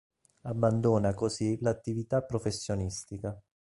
Abbandona così l'attività professionistica.